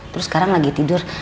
terus sekarang lagi tidur